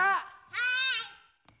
はい！